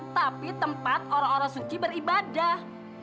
tapi tempat orang orang suci beribadah